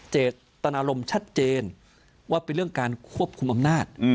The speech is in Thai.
เจตนารมณ์ชัดเจนว่าเป็นเรื่องการควบคุมอำนาจ